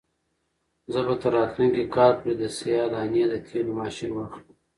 زه به تر راتلونکي کال پورې د سیاه دانې د تېلو ماشین واخلم.